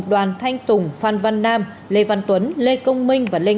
đoàn thanh tùng phan văn nam lê văn tuấn lê công minh và linh